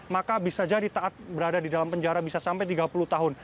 maka bisa jadi taat berada di dalam penjara bisa sampai tiga puluh tahun